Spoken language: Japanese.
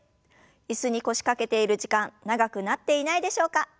椅子に腰掛けている時間長くなっていないでしょうか？